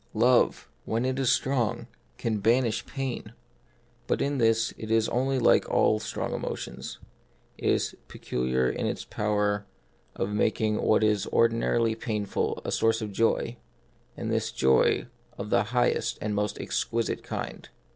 Love, when it is strong, can banish pain ; but in this it is only like all strong emotions : it is peculiar in its power of The Mystery of Pain. 35 making what is ordinarily painful a source of joy, and this a joy of the highest and most exquisite kind.